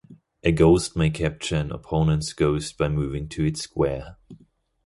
A ghost may capture an opponent's ghost by moving to its square.